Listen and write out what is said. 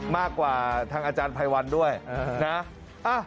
มากกว่าทางอาจารย์ภัยวันด้วยนะ